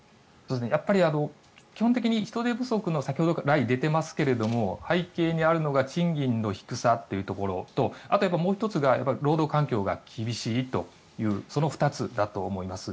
やっぱり基本的に人手不足の背景にあるのが賃金の低さというところとあと、もう１つが労働環境が厳しいというその２つだと思います。